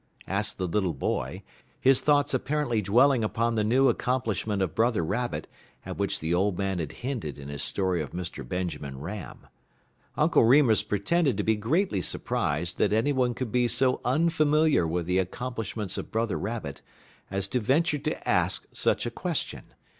asked the little boy, his thoughts apparently dwelling upon the new accomplishment of Brother Rabbit at which the old man had hinted in his story of Mr. Benjamin Ram. Uncle Remus pretended to be greatly surprised that any one could be so unfamiliar with the accomplishments of Brother Rabbit as to venture to ask such a question.